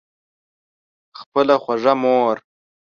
خپله خوږه مور